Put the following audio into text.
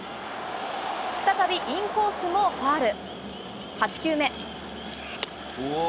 再びインコースもファウル。